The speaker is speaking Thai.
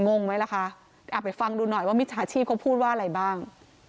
งงไหมล่ะคะไปฟังดูหน่อยว่ามิจฉาชีพเขาพูดว่าอะไรบ้าง